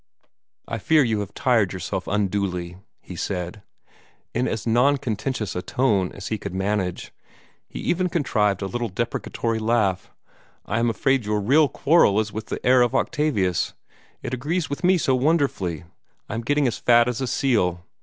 "I fear you HAVE tired yourself unduly," he said, in as non contentious a tone as he could manage. He even contrived a little deprecatory laugh. "I am afraid your real quarrel is with the air of Octavius. It agrees with me so wonderfully I am getting as fat as a seal.